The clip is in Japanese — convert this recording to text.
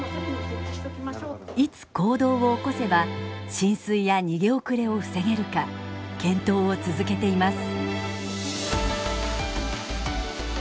いつ行動を起こせば浸水や逃げ遅れを防げるか検討を続けています。